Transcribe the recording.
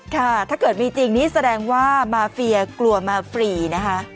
ถ้าเกิดมีจริงนี่แสดงว่ามาเฟียกลัวมาฟรีนะคะ